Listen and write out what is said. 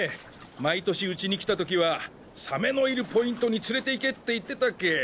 毎年うちに来た時はサメのいるポイントに連れて行けって言ってたっけ。